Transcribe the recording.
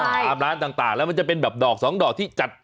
ตามร้านต่างแล้วมันจะเป็นแบบดอกสองดอกที่จัด